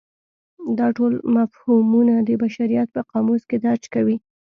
دا ټول مفهومونه د بشریت په قاموس کې درج کوي.